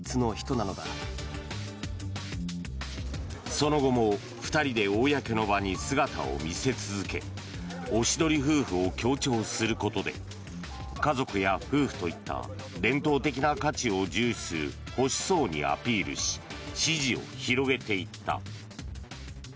その後も２人で公の場に姿を見せ続けおしどり夫婦を強調することで家族や夫婦といった伝統的な価値を重視する保守層にアピールし支持を広げていった。